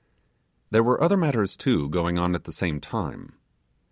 There were other matters too going on at the same time.